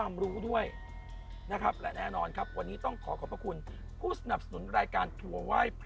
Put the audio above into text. ประโยชน์พร้อมก็ได้ความรู้ด้วย